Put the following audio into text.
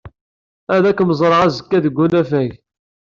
Ad kem-ẓreɣ azekka deg unafag.